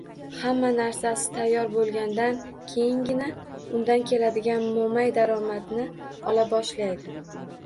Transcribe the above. Hamma narsasi tayyor bo’lgandan keyingina undan keladigan mo’may daromadni ola boshlaydi